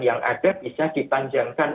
yang ada bisa dipanjangkan